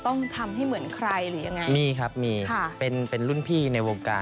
วงการบาร์เทนเดอร์นี่แหละค่ะ